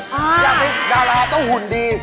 อยากให้ดาราต้องหุ่นดี